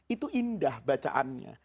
itu indah bacaannya